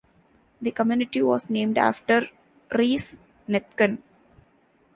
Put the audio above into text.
The community was named after Reese Nethken.